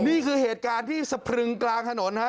นี่คือเหตุการณ์ที่สะพรึงกลางถนนฮะ